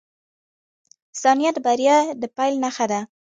• ثانیه د بریا د پیل نښه ده.